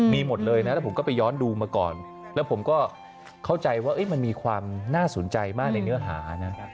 มีหมดเลยนะแล้วผมก็ไปย้อนดูมาก่อนแล้วผมก็เข้าใจว่ามันมีความน่าสนใจมากในเนื้อหานะ